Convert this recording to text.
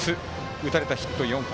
打たれたヒット４本。